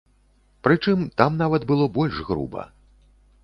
Прычым, там нават было больш груба.